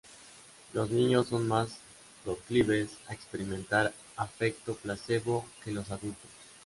Los niños son más proclives a experimentar efecto placebo que los adultos.